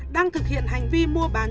đang thực hiện hành vi mua bán